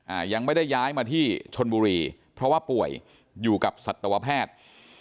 อ่ายังไม่ได้ย้ายมาที่ชนบุรีเพราะว่าป่วยอยู่กับสัตวแพทย์